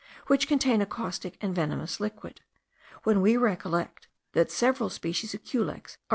which contain a caustic and venomous liquid; when we recollect that several species of culex are 1.